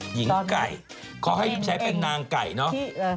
หญิงไก่เค้าแข่ใช้เป็นนางไก่เนอะตอนนี้